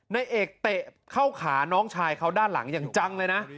นายเอกเตะเข้าขาน้องชายเขาด้านหลังอย่างจังเลยนะ